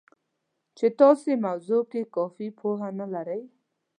چې تاسې موضوع کې کافي پوهه نه لرئ